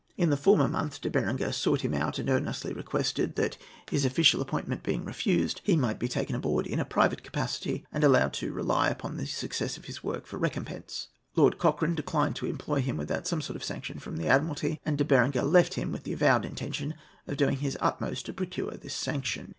In the former month De Berenger sought him out and earnestly requested that, his official appointment being refused, he might be taken on board in a private capacity and allowed to rely upon the success of his work for recompense. Lord Cochrane declined to employ him without some sort of sanction from the Admiralty, and De Berenger left him with the avowed intention of doing his utmost to procure this sanction.